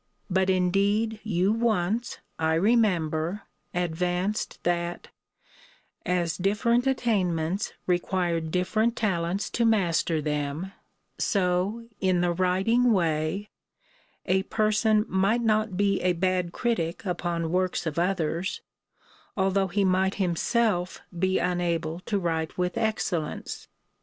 But indeed you once, I remember, advanced, that, as different attainments required different talents to master them, so, in the writing way, a person might not be a bad critic upon the works of others, although he might himself be unable to write with excellence.